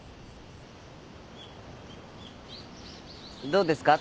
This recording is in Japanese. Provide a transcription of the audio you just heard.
どうですか？